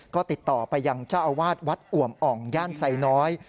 ก็ติดต่อไปยังเจ้าอาวาสวัดอ่วมอ่องย่านไซน้อย